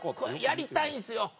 やりたいんですよ。